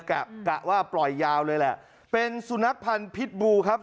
กะว่าปล่อยยาวเลยแหละเป็นสุนัขพันธ์พิษบูครับ